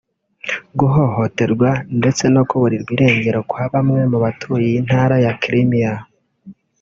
guhohoterwa ndetse no kuburirwa irengero kwa bamwe mu batuye iyi ntara ya Crimea